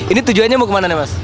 ini tujuannya mau kemana nih mas